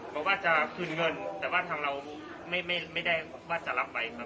บอกว่าจะคืนเงินแต่ว่าทางเราไม่ได้ว่าจะรับไปครับ